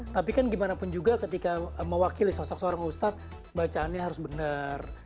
tapi kan gimana pun juga ketika mewakili sosok seorang ustadz bacaannya harus benar